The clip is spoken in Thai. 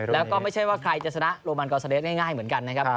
แล้วก็ไม่ใช่ว่าใครจะชนะโรมันกอซาเดสง่ายเหมือนกันนะครับ